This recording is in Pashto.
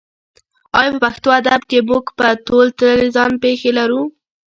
ایا په پښتو ادب کې موږ په تول تللې ځان پېښې لرو؟